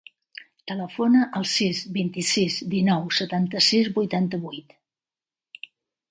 Telefona al sis, vint-i-sis, dinou, setanta-sis, vuitanta-vuit.